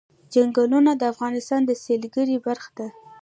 چنګلونه د افغانستان د سیلګرۍ برخه ده.